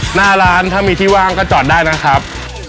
หน้าร้านถ้ามีที่ว่างก็จอดได้นะครับ